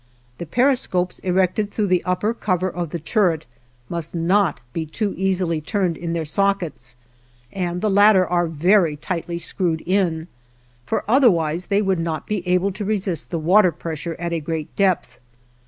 The periscopes erected through the upper cover of the turret must not be too easily turned in their sockets, and the latter are very tightly screwed in, for otherwise they would not be able to resist the water pressure at a great depth.